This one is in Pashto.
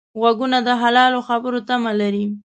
غوږونه د حلالو خبرو تمه لري